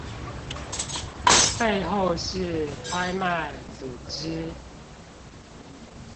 背後是拍賣組織